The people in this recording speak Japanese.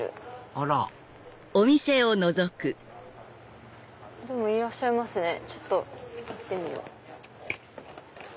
あらでもいらっしゃいますねちょっと行ってみよう。